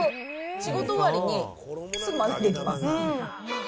仕事終わりにすぐマネできます。